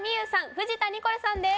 藤田ニコルさんです